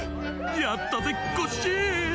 やったぜコッシー！